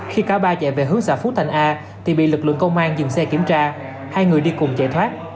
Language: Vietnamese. khi cả ba chạy về hướng xã phú thành a thì bị lực lượng công an dừng xe kiểm tra hai người đi cùng chạy thoát